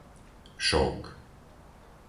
Šók